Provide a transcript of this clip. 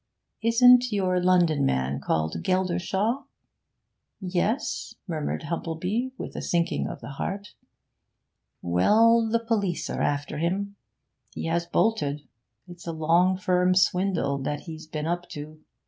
'Isn't your London man called Geldershaw?' 'Yes,' murmured Humplebee, with a sinking of the heart. 'Well, the police are after him; he has bolted. It's a long firm swindle that he's been up to.